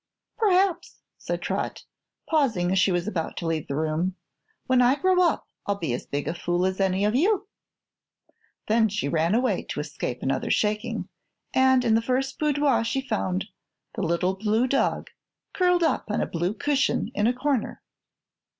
"Perhaps," said Trot, pausing as she was about to leave the room, "when I grow up I'll be as big a fool as any of you." Then she ran away to escape another shaking, and in the first boudoir she found the little blue dog curled up on a blue cushion in a corner.